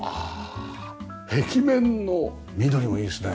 壁面の緑もいいですね。